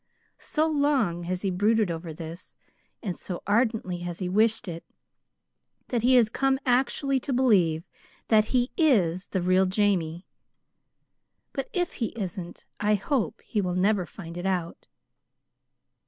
So long has he brooded over this, and so ardently has he wished it, that he has come actually to believe that he IS the real Jamie; but if he isn't, I hope he will never find it out."